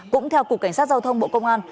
cũng theo cục cảnh sát giao thông bộ công an